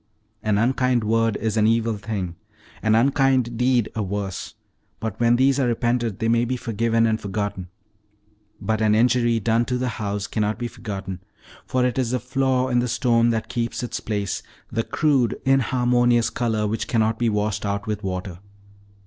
An unkind word is an evil thing, an unkind deed a worse, but when these are repented they may be forgiven and forgotten. But an injury done to the house cannot be forgotten, for it is the flaw in the stone that keeps its place, the crude, inharmonious color which cannot be washed out with water.